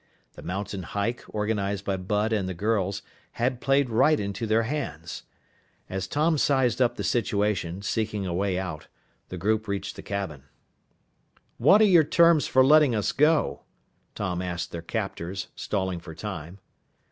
The mountain hike, organized by Bud and the girls, had played right into their hands! As Tom sized up the situation, seeking a way out, the group reached the cabin. "What are your terms for letting us go?" Tom asked their captors, stalling for time.